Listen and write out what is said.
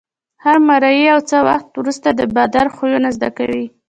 هر مریی یو څه وخت وروسته د بادار خویونه زده کوي.